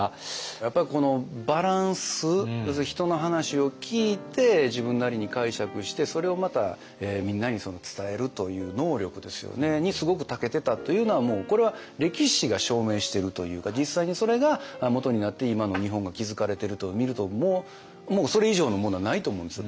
やっぱりこのバランス要するに人の話を聞いて自分なりに解釈してそれをまたみんなに伝えるという能力にすごくたけてたというのはこれは歴史が証明してるというか実際にそれがもとになって今の日本が築かれてると見るともうそれ以上のものはないと思うんですよ。